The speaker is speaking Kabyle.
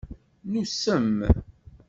Nusem.